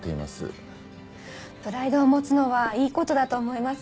プライドを持つのはいい事だと思います。